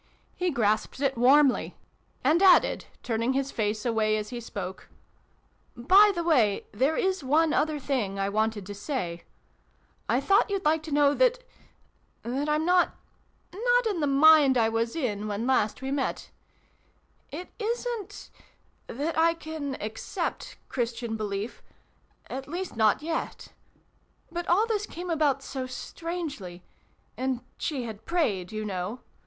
He grasped it warmly, and added, turning his face away as he spoke, " By the way, there is one other thing I wanted to say. I thought you'd like to know that that I'm not not in the mind I was in when last we met. It isn't that I can accept Christian belief at least, not yet. But all this came about so strangely. And she had prayed, you know.